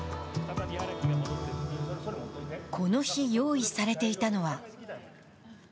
この日、用意されていたのは。